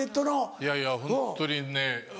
いやいやホントにね。